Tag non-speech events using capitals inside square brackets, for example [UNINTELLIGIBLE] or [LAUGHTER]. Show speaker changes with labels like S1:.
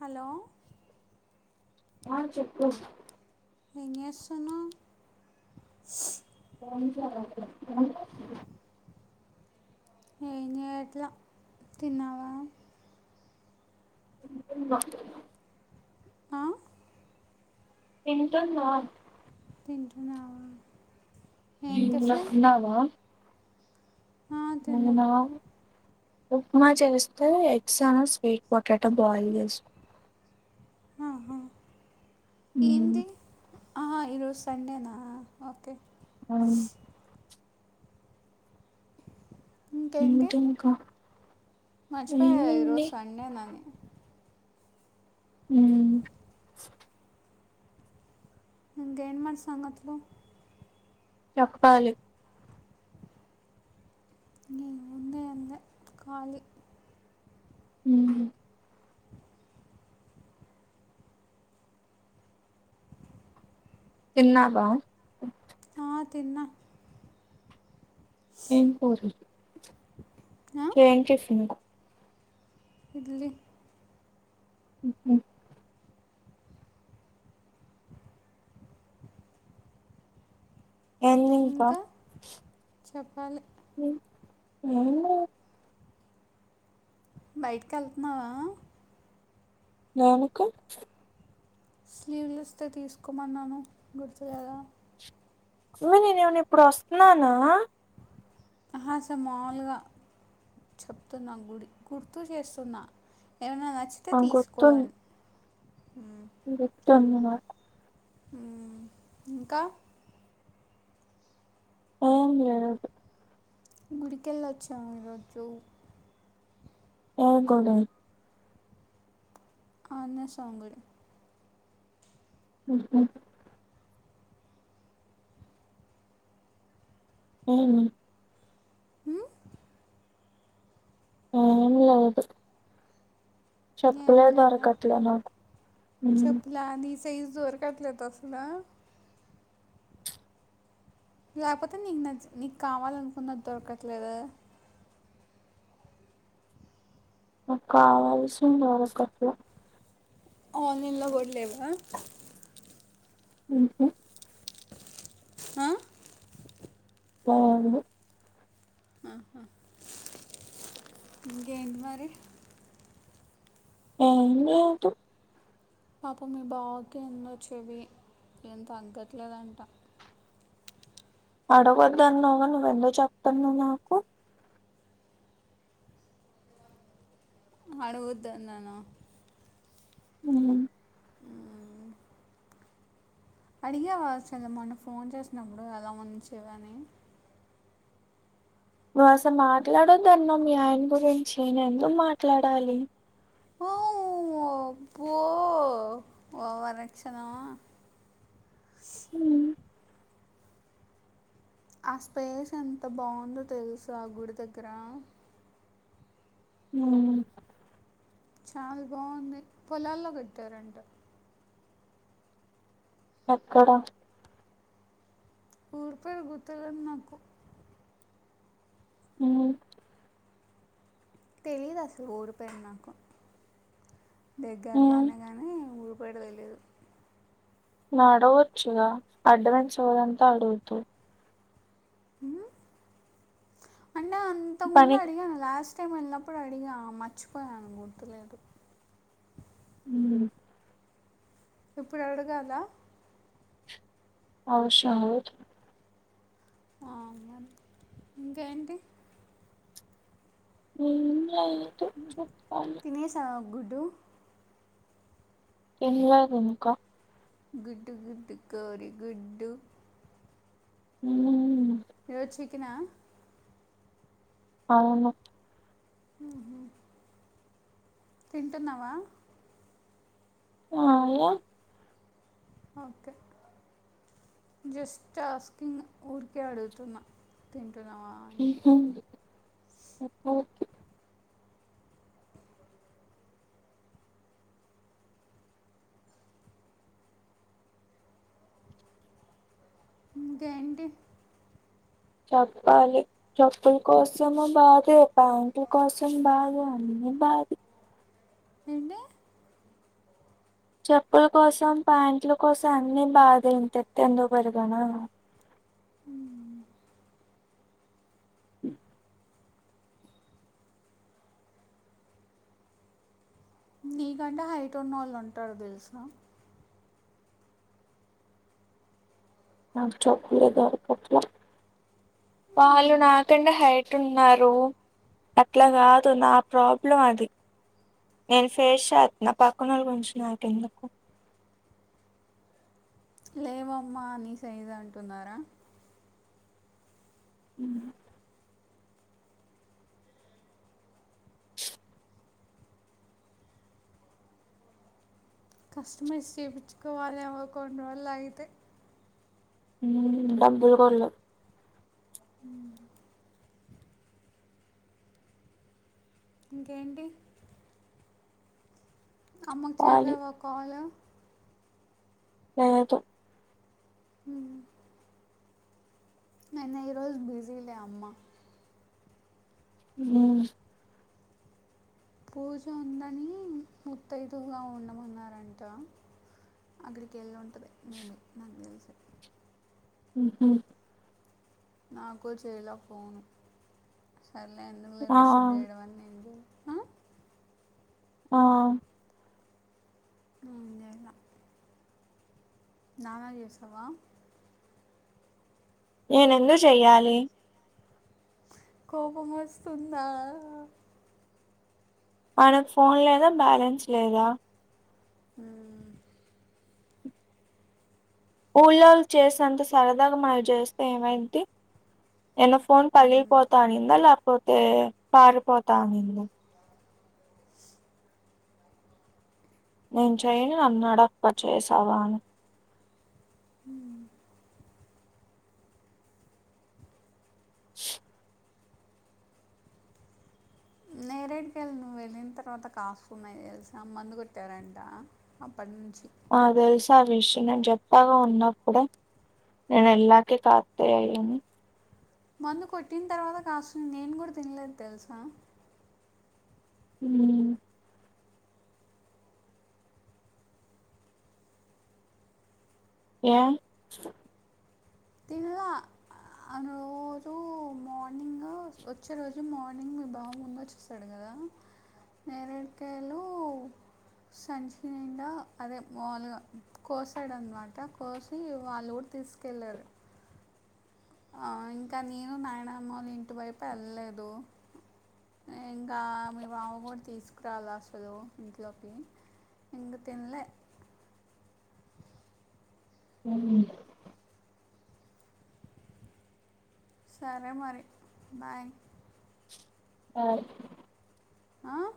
S1: Hello.
S2: ఆ చెప్పు.
S1: ఏం చేస్తున్నావు?
S2: క [UNINTELLIGIBLE]
S1: ఏం చేయట్లా. తిన్నావా?
S2: మ్ వా
S1: ఆ
S2: తింటున్నా.
S1: తింటున్నావా? ఏం
S2: ఏమన్నా
S1: టిఫిన్
S2: తిన్నావా?
S1: ఆ,
S2: నువ్వు
S1: తిన్నా
S2: తిన్నావా? ఉప్మా చేస్తే, ఎగ్స్ అను స్వీట్ పొటాటో బాయిల్ చేస్. మ్మ్,
S1: ఏందీ ఆ ఈరోజు సండేనా ఓకే.
S2: అవును
S1: ఇంకేంటి
S2: ఏంటింకా
S1: మర్చిపోయా ఈరోజు సండేనని.
S2: అమ్
S1: ఇంకా ఏంటి మరి సంగతులు
S2: చెప్పాలి.
S1: నీ ఉందే అంద కాళి
S2: ఉహుమ్ తిన్నావా.
S1: ఆ తిన్న
S2: ఏం కూరలు
S1: ఆ,
S2: చేయింజ్ చేసింది.
S1: ఇడ్లీ.
S2: ఉహు ఎంది ఇంకా.
S1: చెప్పాలి బయటకి వెళ్తున్నావా.
S2: దేనికి.
S1: స్లీవ్ లెస్ దే తీసుకోమన్నాను గుర్తు లేదా
S2: మే నేనేమన్నా ఇప్పుడు వస్తాననా.
S1: ఆహా ఆసలు మాముూలుగా చెప్తున్నా గుడి గుర్తు జేస్తున్నా ఏమైనా నచ్చి. తే
S2: ఆ,
S1: తీసుకో అని
S2: ధన్యవాద
S1: ఉమ్ ఇంకా
S2: ఏం లేదు.
S1: గుడికెళ్ళ వచ్చాము ఈ రోజు
S2: ఏ గుడి
S1: ఆంజనేయ స్వామి గుడి
S2: ఉహుమ్ ఏమీ. ఏమి లేదు చెప్పులే దొరకట్లా నాకు హ్మ్.
S1: చప్పులా నీ సైజు దొరకట్లేదా అసల లేపోతే నీకు నచ్చి నీకు కావాలనుకున్నది దొరకట్లేదా.
S2: నాకు కావల్సింది దొరగట్లా.
S1: ఆన్లైన్ లో కూడా లేవా
S2: ఉహుమ్
S1: ఆ
S2: ఆ ఆవును
S1: ఆహా ఇంకేంటి మరి
S2: ఏం లేదు
S1: పాపం మీ బావకెందో చెవి ఎం తగ్గట్లేదంట.
S2: అడగొద్దు అన్నావుగా నువ్వు ఎందుకు చెప్తున్నావా నాకు
S1: అడగోద్దు అన్నానా
S2: ఉమ్
S1: ఉమ్ అడిగేవా అసలు మొన్న ఫోన్ చేసినప్పుడు ఎలా ఉంచేవని
S2: నువసలు మాట్లాడొద్ద అన్న మీ ఆయన గురించి నేనేందుకు మాట్లాడాలి
S1: కూ ఓవరాక్షను
S2: హ్మ్.
S1: ఆ స్పేస్ ఎంత బావుందో తెలుసా గుడి దగ్గర
S2: అవునా
S1: చాలా బాగుంది పొలాల్లో పెట్టారంట
S2: ఎక్కడ
S1: పూర్పేరు గుర్తుక్లేదు నాకు
S2: అవున
S1: తెలీదసలు ఊరిపేర్ నాకు
S2: హ్మ్.
S1: దగ్గరలోనే గానీ ఊరు పేరు తెలీదు
S2: నడగొచ్చుగా అడ్డమైన సోధంతా అడుగుతవ్
S1: ఉమ్ అంటే అంతకు ముందు
S2: పని
S1: అడిగాను లాస్ట్ టైం ఎల్లినప్పుడడిగా మర్చిపోయాను గుర్తులేదు
S2: ఉమ్
S1: ఇప్పుడడగాల
S2: ఆవ్శ్రంలేద్
S1: ఇంకా ఏంటి
S2: ఏం లేదు చెప్పాలి
S1: న గుడ్డు
S2: తినలేదు ఇంక
S1: గుడ్డు గుడ్డు కోరి గుడ్డు
S2: ఉమ్
S1: ఈ రోజు చికనా
S2: అవును
S1: ఉమ్ హ్ తింటున్నవా
S2: ఆ ఏ
S1: ఓకే జస్ట్ ఆస్కింగ్ ఊరికే అడుగుతున్న తింటున్నవా ఇంక ఏంటి
S2: చెప్పాలి చెప్పుల కోసము బాదే ప్యాంట్లు కోసం సం బాదే అన్నీ బాదే
S1: ఏంటి
S2: చెప్పుల కోసం, ప్యాంట్ల కోసం అన్ని బాదే ఇంత ఎత్తు ఎందుకు పెరిగానో
S1: ఉమ్ ఉమ్ నీకంటే హైట్ ఉన్న వాళ్ళు ఉంటరు తెలుసా
S2: నాకు చెప్పులే దొరకట్లే వాళ్ళు నాకంటె హైట్ ఉన్నారు అట్ల కాదు నా ప్రాబ్లం అది నేను ఫేస్ చేత్న పక్కనోల్ల గురించి నాకెందుకు
S1: లేవమ్మా ని సైజు అంటున్నారా
S2: ఉమ్ హ్
S1: కస్టమైజ్ చేపిచుకోవాలేమో కొన్ని రోజులు అయితే!
S2: మ్మూఁ డబ్బు ఇవ్వాల్లా
S1: హ్మ్ఁ ఇంకేంటి అమ్మకు
S2: ఇవ్వాలి
S1: చేశావా కాల్
S2: లేదు
S1: హ్మ్ఁ నిన్న ఈ రోజు బిజీలే అమ్మ
S2: హ్మ్
S1: పూజ ఉందనీ ముత్తైదువుగా ఉండమన్నారంట! అక్కడికి ఎళ్ళి ఉంటది మేబి నాకు తెలిసి
S2: హ్మ్ హు
S1: నాకు చేయలా ఫోన్ సర్లే ఎందుకులే
S2: ఆ
S1: డిస్టర్బ్ చేయడం అని నేన్ చే
S2: ఆఁ
S1: నేను జెయల నాన్నకు చేస్తవా?
S2: నేను ఎందుకు చెయ్యాలి
S1: కోపమోస్తుందా!
S2: ఆయనకు ఫోన్ లేదా, బ్యాలెన్స్ లేదా?
S1: మ్మ్ఁ
S2: ఊళ్ళోళ్ళు చేసేంత సరదాగా మనకు జేస్తే ఏమైద్ది. ఏన్న ఫోన్
S1: మ్మ్.
S2: పగిలిపోతా అనిందా లేకపోతే, పారిపోతా అనిందా? నేను చెయ్యను అన్నాడా అక్క చేసావా అనీ?
S1: హ్మ్ఁ నేరేడి కాయలు నువ్వు వెళ్ళిన తర్వాత కాస్తున్నాయి తెలుసా మందు కొట్టారంటా అప్పటినుంచి
S2: నాకు తెలుసా విషయం నేను చెప్పాగా ఉన్నప్పుడే నేను ఏళ్లకే కాత్తయి అయి అనీ
S1: మందు కొట్టిం తర్వాత కాస్తుంది నేను కూడ తిన్లేదు తెలుసా
S2: మ్ఁ ఏ
S1: తిన్లా ఆ రోజు మార్నింగ్ వచ్చే రోజు మార్నింగ్ బాగ ముందు వచ్చే టడు కదా నేరడికాయలు సంచి నిండా అదే మాములుగా కోస్తడు అనమాట కోసి వాళ్ళూరు తీస్ కెళ్లారు ఆ ఇంక నేను నాయినమ్మోలా ఇంటి వైపు ఎళ్ళేదు ఇంకా మీ బావ కూడ తీసుకురాలే అసలు ఇంట్లోకి ఇంగ తిన్లే
S2: మ్మ్ఁ
S1: సరే మరి బాయ్
S2: ఆ
S1: ఆఁ